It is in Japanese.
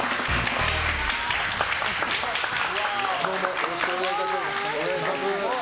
よろしくお願いします。